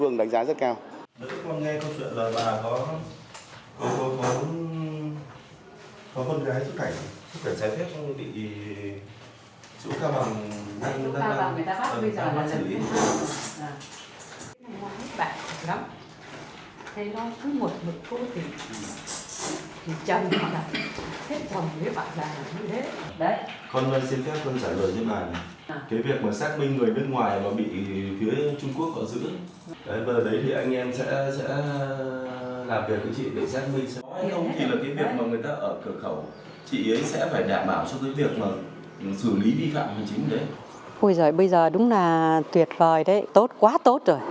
ôi giời bây giờ đúng là tuyệt vời đấy tốt quá tốt rồi